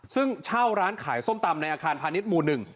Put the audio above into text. ซึ่งเช่าร้านขายส้มตำในอาคารพาณิชย์หมู่๑